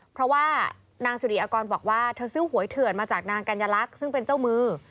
เพราะว่านางสิริอากรบอกว่าเธอซื้อหวยเถื่อนมาจากนางกัญลักษณ์ซึ่งเป็นเจ้ามือ